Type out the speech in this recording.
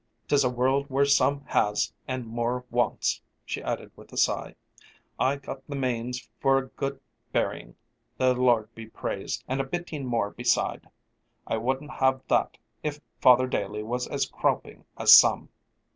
'Tis a worrld where some has and more wants," she added with a sigh. "I got the manes for a good buryin', the Lord be praised, and a bitteen more beside. I wouldn't have that if Father Daley was as croping as some."